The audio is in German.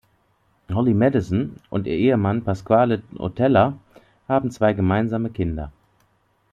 Holly Madison und ihr Ehemann Pasquale Rotella haben zwei gemeinsame Kinder.